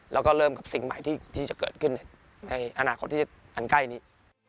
แล้วก็เริ่มกับสิ่งใหม่ที่จะเกิดขึ้นในอนาคตที่จะอันใกล้นี้